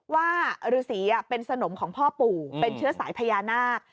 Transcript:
ว่าฤษีเป็นสนมของพ่อปู่เป็นเชื้อสายพญานาค